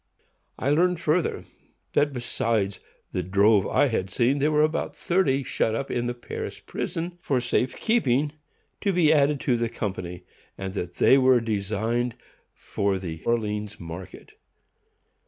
I learned further, that besides the drove I had seen, there were about thirty shut up in the Paris prison for safe keeping, to be added to the company, and that they were designed for the Orleans market.